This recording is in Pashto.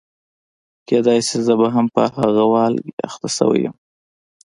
کېدای شي زه به هم په هغه والګي اخته شوې یم.